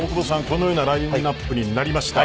このようなラインナップになりました。